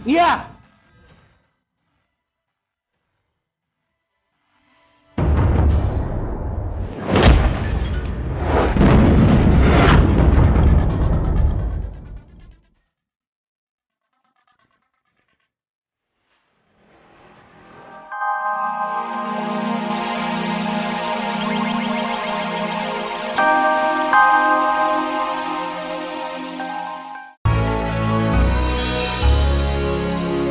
jadi bisa conditioner ya